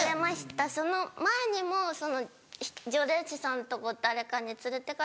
その前にも除霊師さんとこ誰かに連れてかれて。